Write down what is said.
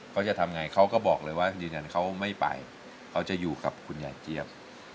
เขาจะทำไงเขาก็บอกเลยว่ายืนยันเขาไม่ไปเขาจะอยู่กับคุณยายเจี๊ยบ